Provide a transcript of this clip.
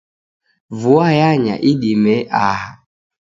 Vua yanya idime aha.